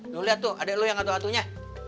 lo liat tuh adek lo yang atuh atuhnya